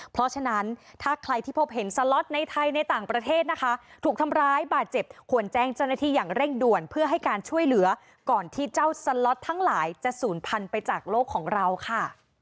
เพราะฉะนั้นถ้าใครที่พบเห็นสล็อตในไทยในต่างประเทศนะคะถูกทำร้ายบาดเจ็บควรแจ้งเจ้าหน้าที่อย่างเร่งด่วนเพื่อให้การช่วยเหลือก่อนที่เจ้าสล็อตทั้งหลายจะศูนย์พันธุ์ไปจากโลกของเราค่ะ